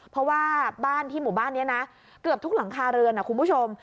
เพราะว่าบ้านที่หมู่บ้านนี้นะเกือบทุกหลังคาเรือนนะคุณผู้ชม